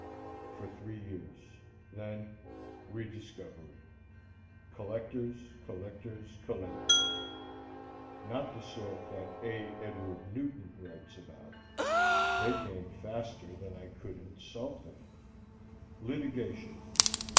For three years. Then rediscovery. Collectors, collectors, collectors not the sort that A. Edward Newton writes about. They came faster than I could insult them. Litigation.